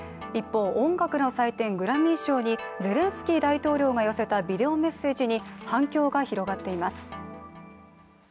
一方、音楽の祭典、グラミー賞にゼレンスキー大統領が寄せたビデオメッセージに反響が広がっています。